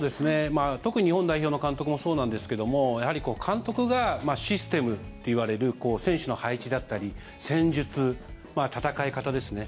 特に日本代表の監督もそうなんですけどもやはり監督がシステムっていわれる選手の配置だったり戦術、戦い方ですね